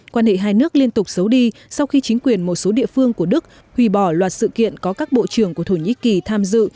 quan hệ hai nước liên tục xấu đi sau khi chính quyền một số địa phương của đức hủy bỏ loạt sự kiện có các bộ trưởng của thổ nhĩ kỳ tham dự